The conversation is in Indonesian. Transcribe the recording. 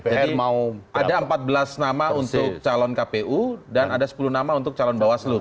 jadi ada empat belas nama untuk calon kpu dan ada sepuluh nama untuk calon bawaslu